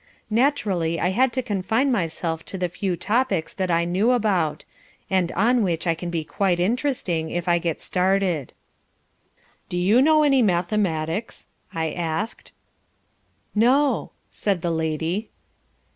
Naturally I had to confine myself to the few topics that I know about, and on which I can be quite interesting if I get started. "Do you know any mathematics?" I asked. "No," said the lady.